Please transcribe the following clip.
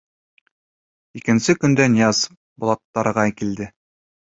Икенсе көндө Нияз Булаттарға килде.